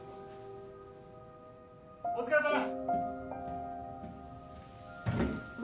・お疲れさま！